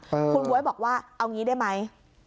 คุณบ๊วยบอกว่าเอางี้ได้ไหม